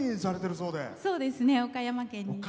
そうですね、岡山県に。